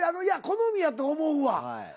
いや好みやと思うわ。